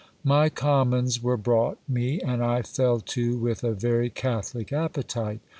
My commons were brought me, and I fell to with a very catholic appetite.